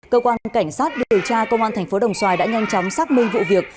cơ quan cảnh sát điều tra công an thành phố đồng xoài đã nhanh chóng xác minh vụ việc